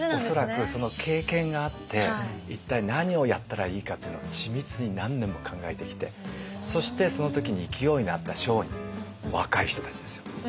恐らくその経験があって一体何をやったらいいかというのを緻密に何年も考えてきてそしてその時に勢いがあった商人若い人たちですよ